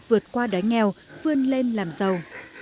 vượt qua đói nghèo vươn lên làm giàu